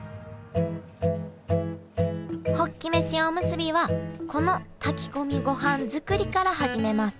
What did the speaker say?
ホッキ飯おむすびはこの炊き込みごはん作りから始めます。